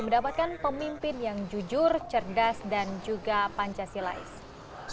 mendapatkan pemimpin yang jujur cerdas dan juga pancasilais